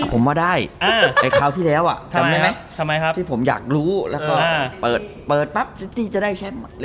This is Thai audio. ผมบ่อยเวลาแล้วยังไงได้ไหม